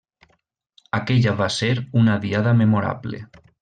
Aquella va ser una diada memorable.